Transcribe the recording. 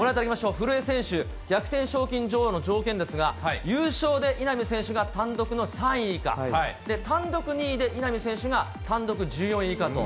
古江選手、逆転賞金女王の条件ですが、優勝で稲見選手が単独の３位か、単独２位で、稲見選手が単独１４位以下と。